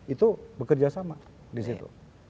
itu bekerja sama di situ